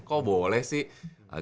kok boleh sih agassi yang udah main